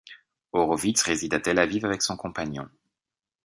Horowitz réside à Tel Aviv avec son compagnon.